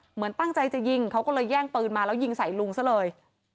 เหมือนตั้งใจจะยิงเขาก็เลยแย่งปืนมาแล้วยิงใส่ลุงซะเลย